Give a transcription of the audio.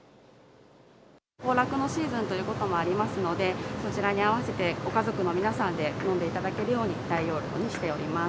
行楽のシーズンということもありますので、こちらに合わせて、ご家族の皆さんで飲んでいただけるように、大容量にしております。